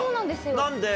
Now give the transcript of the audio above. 何で？